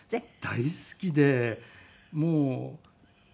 大好きでもう。